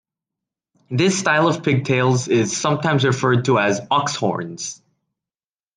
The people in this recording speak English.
This style of pigtails is sometimes referred to as ox horns.